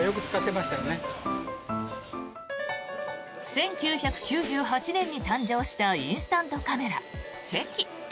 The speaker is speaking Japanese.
１９９８年に誕生したインスタントカメラ、チェキ。